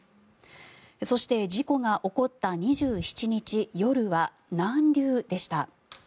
そして事故が起こった２７日夜は南流でした。